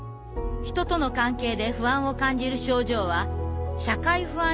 人との関係で不安を感じる症状は社会不安